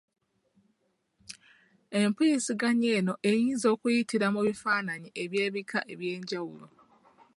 Empuiziganya eno eyinza okuyitira mu bifaananyi eby'ebika eby'enjawulo.